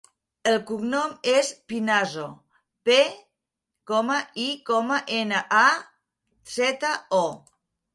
El cognom és Pinazo: pe, i, ena, a, zeta, o.